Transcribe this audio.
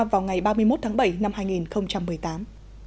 vào ngày ba mươi một tháng bảy năm hai nghìn một mươi tám